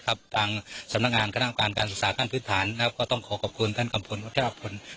ต่างสำนักงานการสุริย์ศึกษาท่านพื้นฐานก็ต้องขอขอบคุณท่านกำคลเจ้าชาวผล